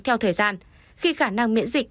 theo thời gian khi khả năng miễn dịch